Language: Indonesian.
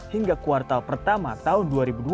hingga kuartal pertama tahun dua ribu dua puluh